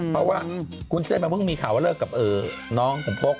เพราะว่าวุ้นเส้นมันเพิ่งมีข่าวว่าเลิกกับน้องของพก